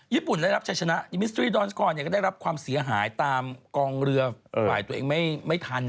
ญี่ปุ่นได้รับชัยชนะนิมิสตรีดอนสกอร์ก็ได้รับความเสียหายตามกองเรือฝ่ายตัวเองไม่ทัน